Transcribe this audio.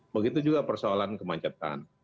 begitu juga persoalan kemancetan